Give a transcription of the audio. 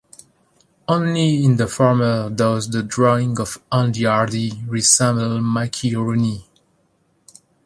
Only in the former does the drawing of Andy Hardy resemble Mickey Rooney.